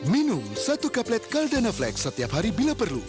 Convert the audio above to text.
minum satu kaplet caldana flex setiap hari bila perlu